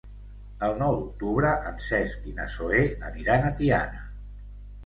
El nou d'octubre en Cesc i na Zoè aniran a Tiana.